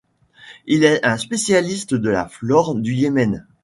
Il est un spécialiste de la flore du Yémen.